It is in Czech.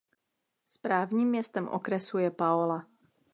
Správním městem okresu je Paola.